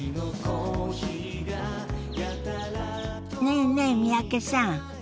ねえねえ三宅さん。